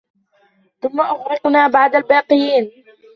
ثم أغرقنا بعد الباقين